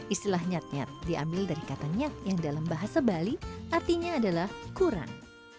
istilah nyat nyat diambil dari katanya yang dalam bahasa bali artinya adalah kurang